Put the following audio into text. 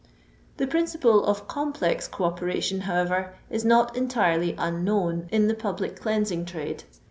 The principle of complex co operation, however, is not entirely unknown in the public cleansing trade.